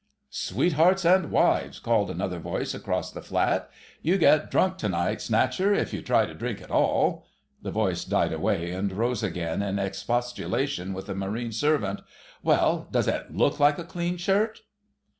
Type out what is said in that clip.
"Sweethearts and wives!" called another voice across the flat. "You'll get drunk to night, Snatcher, if you try to drink to all——" the voice died away and rose again in expostulation with a Marine servant. "... Well, does it look like a clean shirt...!"